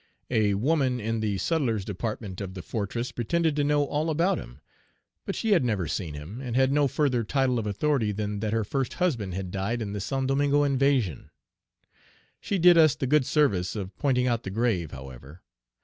A woman in the sutler's department of the fortress pretended to know all about him; but she had never seen him, and had no further title to authority than that her first husband had died in the Saint Domingo invasion. She did us the good service of pointing out the grave, however.